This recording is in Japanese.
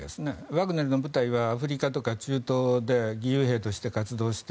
ワグネルの部隊はアフリカとか中東で義勇兵として活動して。